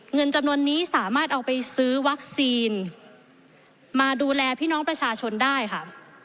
เงินจำนวนนี้สามารถเอาไปซื้อวัคซีนมาดูแลพี่น้องประชาชนได้ค่ะ